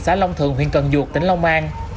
xã long thượng huyện cần duột tỉnh long an